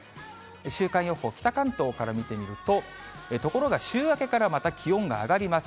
週間予報、北関東から見てみると、ところが週明けからまた気温が上がります。